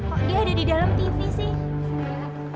kok dia ada di dalam tv sih